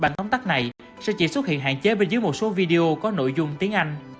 bản tấm tắt này sẽ chỉ xuất hiện hạn chế bên dưới một số video có nội dung tiếng anh